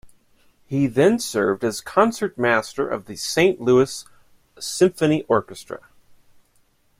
He then served as concertmaster of the Saint Louis Symphony Orchestra.